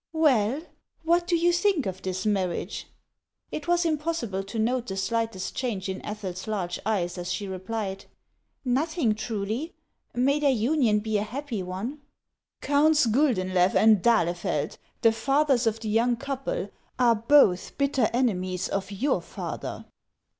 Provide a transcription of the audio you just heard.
" Well, what do you think of this marriage ?" It was impossible to note the slightest change in Ethel's large eyes as she replied :" Nothing, truly. May their union be a happy one !"" Counts Guldenlcw and d'Ahlefeld, the fathers of the young couple, are both bitter enemies of your father."